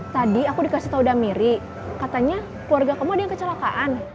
tadi aku dikasih tau damiry katanya keluarga kamu ada yang kecelakaan